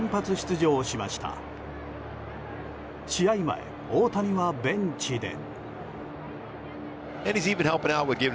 前、大谷はベンチで。